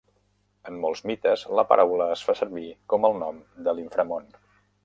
En molts mites la paraula es fa servir com el nom de l'inframon.